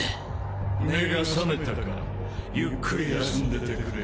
目が覚めたかゆっくり休んでてくれ。